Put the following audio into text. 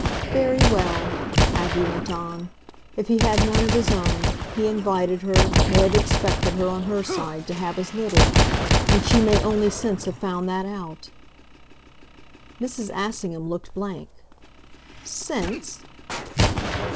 "Very well," Maggie went on; "if he had none of his own, he invited her, may have expected her, on her side, to have as little. And she may only since have found that out." Mrs. Assingham looked blank. "Since